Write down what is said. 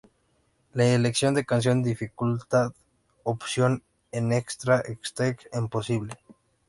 La elección de canción, dificultad y opciones en Extra Stage es posible.